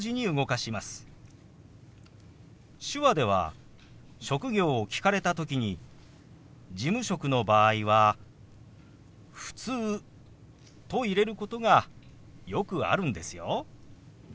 手話では職業を聞かれた時に事務職の場合は「ふつう」と入れることがよくあるんですよ。